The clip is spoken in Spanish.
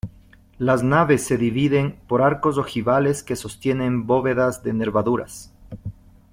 Las naves se dividen por arcos ojivales que sostienen bóvedas de nervaduras.